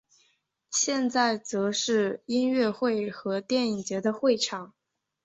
现在则是音乐会和电影节的会场。